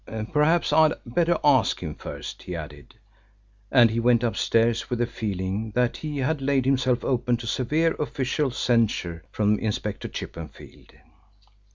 "Perhaps I'd better ask him first," he added, and he went upstairs with the feeling that he had laid himself open to severe official censure from Inspector Chippenfield.